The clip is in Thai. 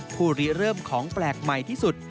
รีเริ่มของแปลกใหม่ที่สุด